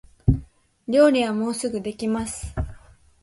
料理はもうすぐできます